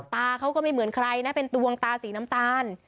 ตาเขาก็ไม่เหมือนใครนะเป็นตวงตาสีน้ำตาล